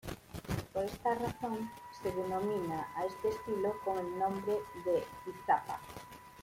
Por esta razón se denomina a este estilo con el nombre del Izapa.